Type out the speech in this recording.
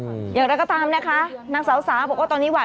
เอออย่างนั้นแล้วก็ตามนะคะนักสาวสาวบอกว่าตอนนี้หว่า